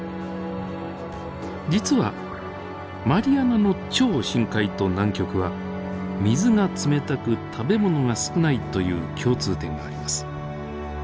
実はマリアナの超深海と南極は水が冷たく食べ物が少ないという共通点があります。